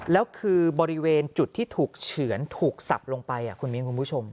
แล้วคือบริเวณจุดที่ถูกเฉือนถูกสับลงไปคุณมิ้นคุณผู้ชม